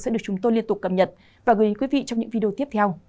sẽ được chúng tôi liên tục cập nhật và gửi đến quý vị trong những video tiếp theo